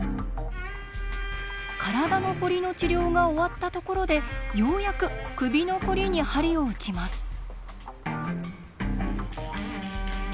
体のコリの治療が終わったところでようやく首のコリに鍼をうちます。